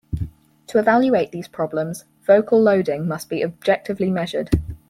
To evaluate these problems, vocal loading must be objectively measured.